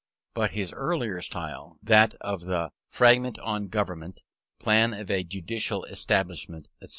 But his earlier style, that of the Fragment on Government, Plan of a Judicial Establishment, etc.